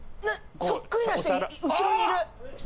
そっくりな人後ろにいる！